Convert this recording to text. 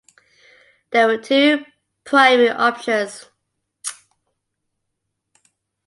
There were two primary options.